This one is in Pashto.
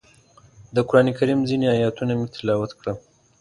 د قرانکریم ځینې ایتونه مې تلاوت کړل.